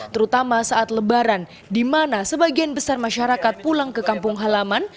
terutama saat lebaran di mana sebagian besar masyarakat pulang ke kampung halaman